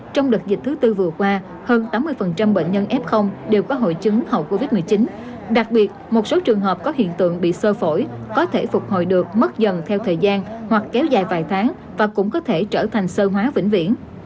trong đợt dịch thứ tư vừa qua hơn tám mươi bệnh nhân f đều có hội chứng hậu covid một mươi chín đặc biệt một số trường hợp có hiện tượng bị sơ phổi có thể phục hồi được mất dần theo thời gian hoặc kéo dài vài tháng và cũng có thể trở thành sơ hóa vĩnh viễn